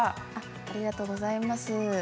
ありがとうございます。